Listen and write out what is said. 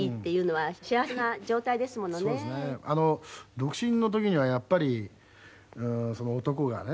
独身の時にはやっぱり男がね